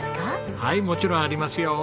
はいもちろんありますよ。